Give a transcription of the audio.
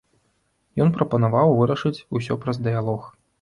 Ён прапанаваў вырашыць усё праз дыялог.